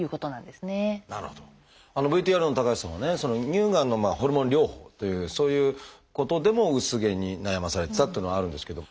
乳がんのホルモン療法というそういうことでも薄毛に悩まされてたっていうのはあるんですけど。